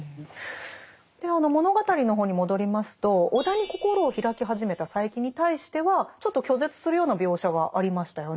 で物語の方に戻りますと尾田に心を開き始めた佐柄木に対してはちょっと拒絶するような描写がありましたよね。